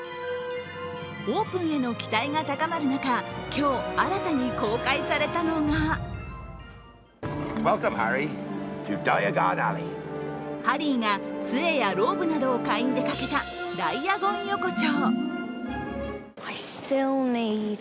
オープンへの期待が高まる中、今日、新たに公開されたのがハリーが杖やローブなどを買いに出かけたダイアゴン横丁。